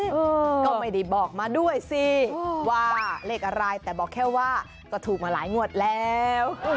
อืมก็ไม่ได้บอกมาด้วยสิว่าเลขอะไรแต่บอกแค่ว่าก็ถูกมาหลายงวดแล้ว